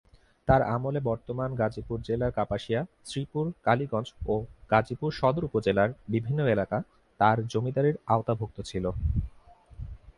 তার আমলে বর্তমান গাজীপুর জেলার কাপাসিয়া, শ্রীপুর, কালীগঞ্জ ও গাজীপুর সদর উপজেলার বিভিন্ন এলাকা তার জমিদারীর আওতাভুক্ত ছিল।